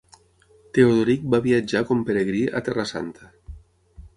Teodoric va viatjar com peregrí a Terra Santa.